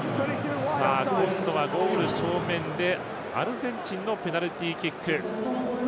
今度はゴール正面でアルゼンチンのペナルティキック。